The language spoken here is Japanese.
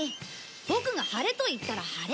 ボクが晴れと言ったら晴れ。